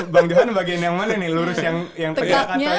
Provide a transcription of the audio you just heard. bang johan bagian yang mana nih lurus yang tegaknya